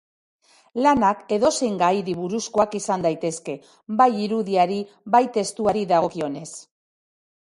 Lanak edozein gairi buruzkoak izan daitezke, bai irudiari bai testuari dagokionez.